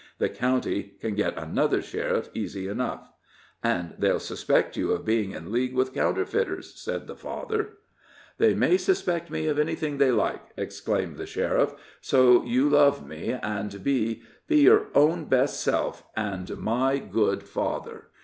The county can get another sheriff easy enough." "And they'll suspect you of being in league with counterfeiters," said the father. "They may suspect me of anything they like!" exclaimed the sheriff, "so you love me and be be your own best self and my good father.